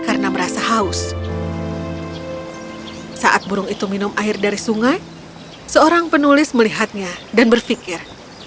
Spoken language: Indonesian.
karena merasa haus saat burung itu minum air dari sungai seorang penulis melihatnya dan berpikir